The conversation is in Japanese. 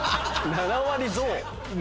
７割増。